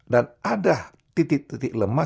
dan ada titik titik lemah